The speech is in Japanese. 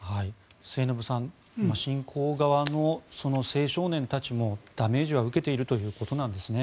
末延さん侵攻側の青少年たちもダメージは受けているということなんですね。